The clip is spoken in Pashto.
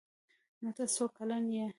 _نوته څو کلن يې؟